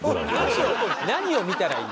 何を見たらいい。